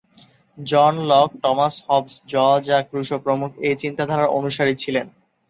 জন Locke, Thomas Hobbes, জঁ-জাক Rousseau প্রমুখ এ চিন্তাধারার অনুসারী ছিলেন।